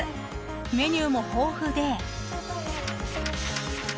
［メニューも豊富で］